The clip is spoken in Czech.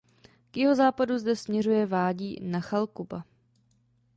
K jihozápadu zde směřuje vádí Nachal Cuba.